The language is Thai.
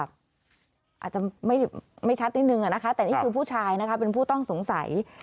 อาจจะไม่ชัดนิดนึงนะคะแต่นี่คือผู้ชายนะคะเป็นผู้ต้องสงสัย